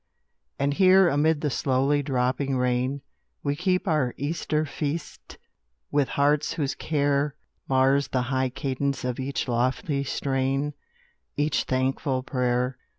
And here, amid the slowly dropping rain, We keep our Easter feast, with hearts whose care Mars the high cadence of each lofty strain, Each thankful prayer.